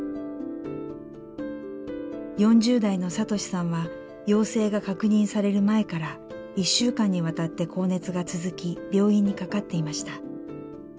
４０代の聡士さんは陽性が確認される前から１週間にわたって高熱が続き病院にかかっていました。